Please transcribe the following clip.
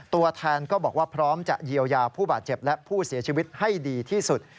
ตัวแทนก็บอกว่าพร้อมจะเยียวยาผู้บาดเจ็บและผู้เสียชีวิตให้ดีที่สุด